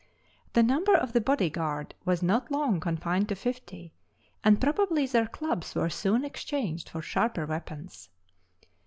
The number of the body guard was not long confined to fifty, and probably their clubs were soon exchanged for sharper weapons.